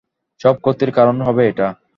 সব ক্ষতির কারন হবে এটা।